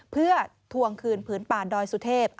เพื่อทวงคืนผืนป่าดอยสุเทพ